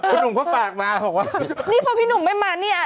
คุณหนุ่มเขาฝากมาพอพี่หนุ่มไม่มาเนี่ย